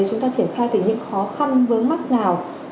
chúng ta triển khai từ những khó khăn vướng mắt nào